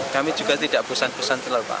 kami juga tidak busan busan terlebak